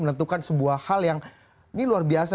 menentukan sebuah hal yang ini luar biasa